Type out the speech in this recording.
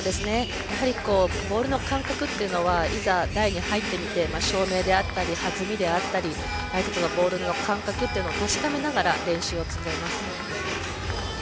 やはりボールの感覚というのはいざ台に入ってみて照明だったり弾みであったり相手とのボールの感覚を確かめながら練習を積んでいます。